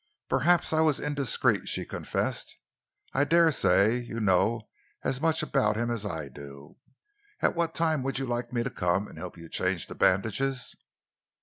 "Perhaps I was indiscreet," she confessed. "I dare say you know as much about him as I do. At what time would you like me to come and help you change the bandages?"